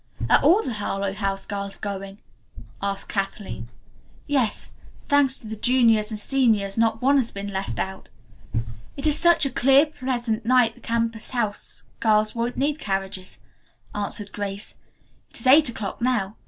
"Are all the Harlowe House girls going?" asked Kathleen. "Yes; thanks to the juniors and seniors, not one has been left out. It is such a clear, pleasant night the campus house girls won't need carriages," answered Grace. "It is eight o'clock now.